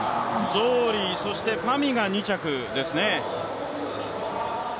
ゾーリ、そしてファミが２着ですね。